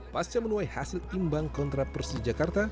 pasca menuai hasil imbang kontra persija jakarta